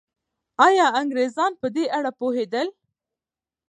آیا انګریزان په دې اړه پوهېدل؟